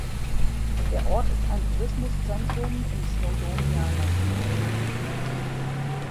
Der Ort ist ein Tourismuszentrum im Snowdonia-Nationalpark.